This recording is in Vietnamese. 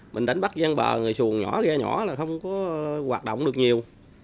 mình đánh bắt gian bờ người xuồng nhỏ ghe nhỏ là không có hoạt động được nhiều